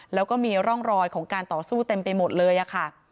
แล้วก็มีร่องรอยของการต่อสู้เต็มไปหมดเลยค่ะ